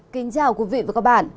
kính chào quý vị và các bạn